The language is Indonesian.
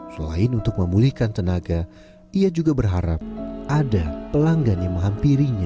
selain untuk memulihkan tenaga ia juga berharap ada pelanggan yang menghampirinya